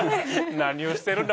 何をしてるんだ